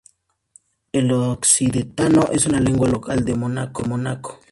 El occitano es una lengua local de Mónaco.